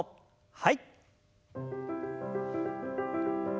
はい。